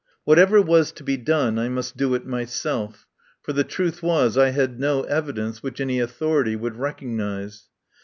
Whatever was to be done I must do it myself, for the truth was I had no evidence which any authority would recog nise.